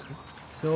そう。